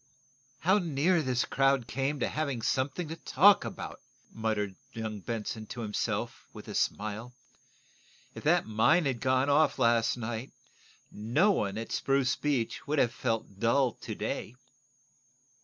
"How near this crowd came to having something to talk about," muttered young Benson to himself, with a smile. "If that mine had gone off last night, no one at Spruce Beach would have felt dull to day."